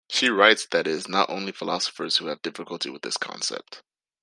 She writes that it is not only philosophers who have difficulty with this concept.